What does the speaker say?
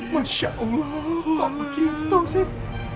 masya allah begitu sih